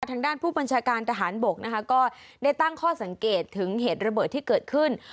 ทางด้านผู้บัญชาการทหารบกนะคะก็ได้ตั้งข้อสังเกตถึงเหตุระเบิดที่เกิดขึ้น